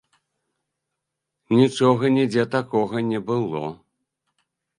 Нічога нідзе такога не было.